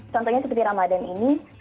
contohnya seperti ramadhan ini